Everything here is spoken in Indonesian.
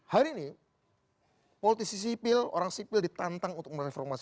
hari ini politisi sipil orang sipil ditantang untuk mereformasi